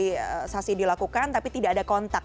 sosialisasi dilakukan tapi tidak ada kontak